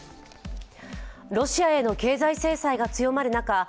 ロシアへの経済制裁が強まる中